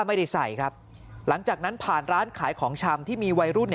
ไม่ได้ใส่ครับหลังจากนั้นผ่านร้านขายของชำที่มีวัยรุ่น